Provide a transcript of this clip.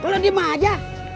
lo dimah aja